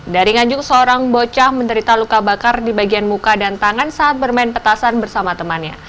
dari nganjuk seorang bocah menderita luka bakar di bagian muka dan tangan saat bermain petasan bersama temannya